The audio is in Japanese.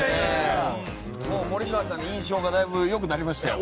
森川さんの印象がだいぶ良くなりましたよ。